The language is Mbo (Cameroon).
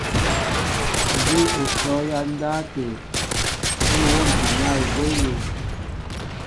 Nzi o shɔ ya ndáw até, i o nwómpin na eboy elúŋ.